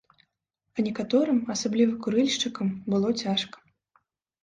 А некаторым, асабліва курыльшчыкам, было цяжка.